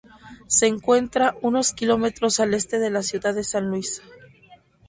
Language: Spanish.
Se encuentra unos km al este de la ciudad de San Luis.